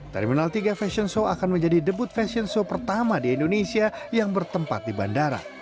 terminal tiga fashion show akan menjadi debut fashion show pertama di indonesia yang bertempat di bandara